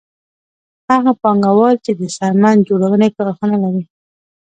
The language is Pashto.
هغه پانګوال چې د څرمن جوړونې کارخانه لري